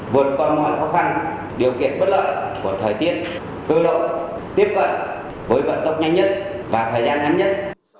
vượt còn một khó khăn điều kiện bất lợi của thời tiết cư lộ tiếp cận với vận tốc nhanh nhất và thời gian ngắn nhất